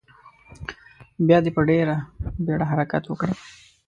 بیا دې په ډیره بیړه حرکت وکړي.